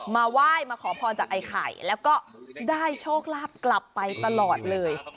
มาไหว้มาขอพรจากไอ้ไข่แล้วก็ได้โชคลาภกลับไปตลอดเลย